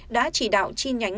đã chỉ đạo chi nhánh